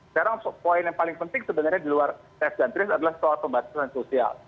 sekarang poin yang paling penting sebenarnya di luar tes dan trace adalah soal pembatasan sosial